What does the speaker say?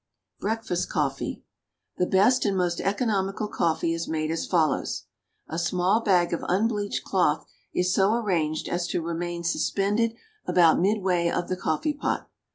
BREAKFAST COFFEE. The best and most economical coffee is made as follows: A small bag of unbleached cloth is so arranged as to remain suspended about midway of the coffee pot.